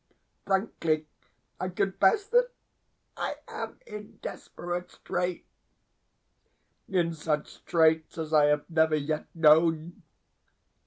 Frankly, I confess that I am in desperate straits in such straits as I have never yet known.